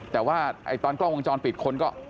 แต่ว่าตอนกล้องวงจรปิดคนก็